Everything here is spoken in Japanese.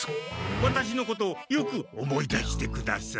ワタシのことをよく思い出してください。